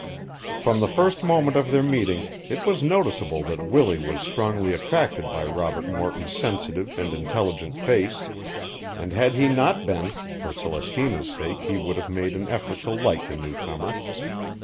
From the first moment of their meeting it was noticeable that Willie was strongly attracted by Robert Morton's sensitive and intelligent face; and had he not been, for Celestina's sake he would have made an effort to like the newcomer.